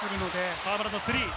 河村のスリー。